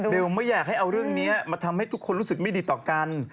ไม่อยากให้เอาเรื่องนี้มาทำให้ทุกคนรู้สึกไม่ดีต่อกัน